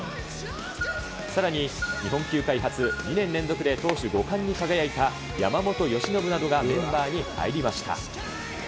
さらに日本球界初、２年連続で投手５冠に輝いた山本由伸などがメンバーに入りました。